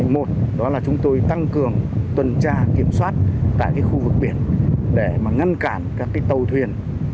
một đó là chúng tôi tăng cường tuần tra kiểm soát tại khu vực biển để ngăn cản các tàu thuyền